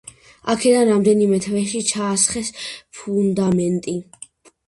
აქედან რამდენიმე თვეში ჩაასხეს ფუნდამენტი.